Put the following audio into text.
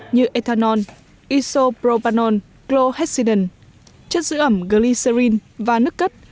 như ethanol isopropanol chlorhexidine chất giữ ẩm glycerin và nước cất